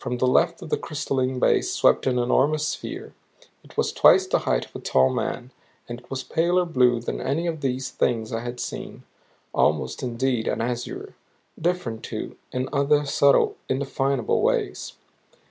From the left of the crystalline base swept an enormous sphere. It was twice the height of a tall man, and it was a paler blue than any of these Things I had seen, almost, indeed, an azure; different, too, in other subtle, indefinable ways.